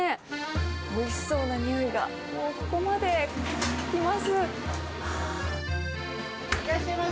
おいしそうな匂いがもうここまできています。